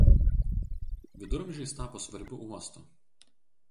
Viduramžiais tapo svarbiu uostu.